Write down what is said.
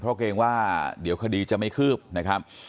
เพราะเกรงว่าเดี๋ยวคดีจะไม่คืบนะครับ